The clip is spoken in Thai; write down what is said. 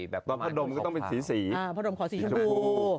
เบาะพัดดมขอสีชมพู